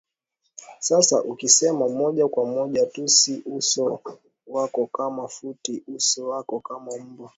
Sasa ukisema moja kwa moja tusi uso wako kama futi uso wako kama mbwa